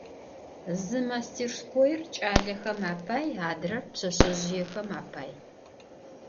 Zı mastêrskoir ç'alexem apay, adrer pşseşsezjıêxem apay.